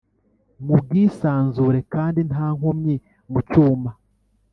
mu bwisanzure kandi nta nkomyi mu cyumba